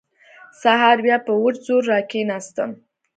سهار بيا په وچ زور راکښېناستم.